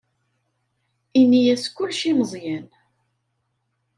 Ini-as kullec i Meẓyan.